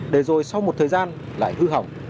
để rồi sau một thời gian lại hư hỏng